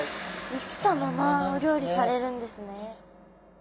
生きたままお料理されるんですね。